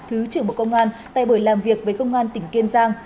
thứ trưởng bộ công an tại buổi làm việc với công an tỉnh kiên giang